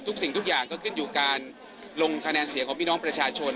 สิ่งทุกอย่างก็ขึ้นอยู่การลงคะแนนเสียงของพี่น้องประชาชน